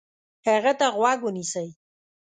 هغه ته غوږ ونیسئ،